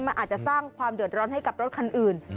มันอาจจะสร้างความเดือดร้อนให้กับรถคันอื่น